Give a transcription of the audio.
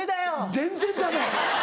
全然ダメ。